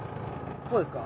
こうですか？